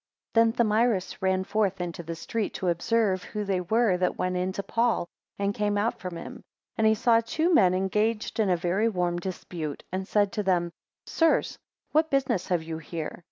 13 Then Thamyris ran forth into the street to observe who they were that went in to Paul, and came out from him; and he saw two men engaged in a very warm dispute, and said to them; 14 Sirs, what business have you here?